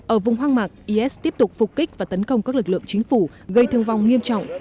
ở vùng hoang mạc is tiếp tục phục kích và tấn công các lực lượng chính phủ gây thương vong nghiêm trọng